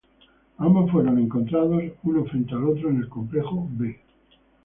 Ambos fueron encontrados uno frente al otro en el "Complejo B".